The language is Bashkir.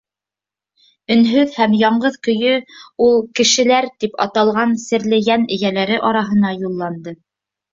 Өнһөҙ һәм яңғыҙ көйө ул «кешеләр» тип аталған серле йән эйәләре араһына юлланды.